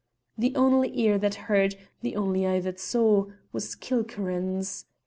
The only ear that heard, the only eye that saw, was Kilkerran's.